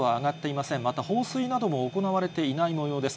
また、放水なども行われていないもようです。